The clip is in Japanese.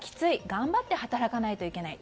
頑張って働かないといけない。